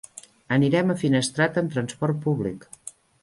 Anirem a Finestrat amb transport públic.